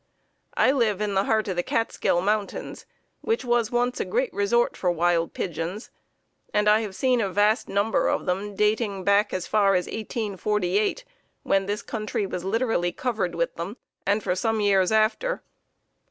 I live in the heart of the Catskill Mountains, which was once a great resort for wild pigeons, and I have seen a vast number of them, dating back as far as 1848, when this country was literally covered with them, and for some years after.